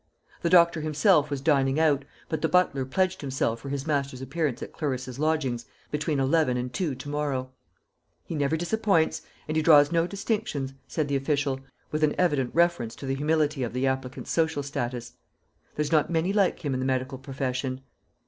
The doctor himself was dining out, but the butler pledged himself for his master's appearance at Clarissa's lodgings between eleven and two to morrow. "He never disappints; and he draws no distinctions," said the official, with an evident reference to the humility of the applicant's social status. "There's not many like him in the medical perfession."